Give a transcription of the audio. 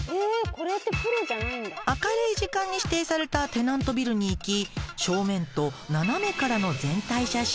明るい時間に指定されたテナントビルに行き正面と斜めからの全体写真。